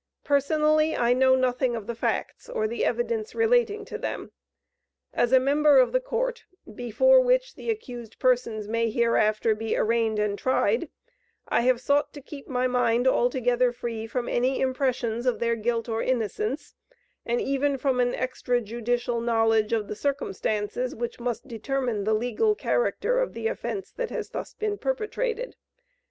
Personally, I know nothing of the facts, or the evidence relating to them. As a member of the Court, before which the accused persons may hereafter be arraigned and tried, I have sought to keep my mind altogether free from any impressions of their guilt or innocence, and even from an extra judicial knowledge of the circumstances which must determine the legal character of the offence that has thus been perpetrated.